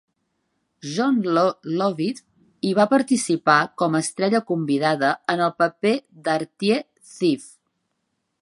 Jon Lovitz hi va participar com a estrella convidada en el paper de Artie Ziff.